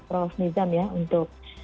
prof nizam ya untuk